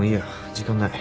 時間ない」